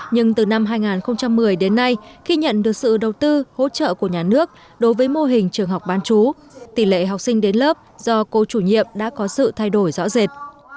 nhưng từ năm hai nghìn một mươi đến nay khi nhận được sự đầu tư hỗ trợ của nhà nước đối với mô hình trường học bán chú tỷ lệ học sinh đến lớp do cô chủ nhiệm đã có sự thay đổi rõ rệt